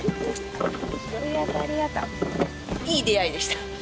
いい出会いでした。